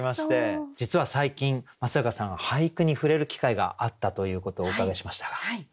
実は最近松坂さん俳句に触れる機会があったということをお伺いしましたが。